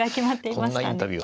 こんなインタビュー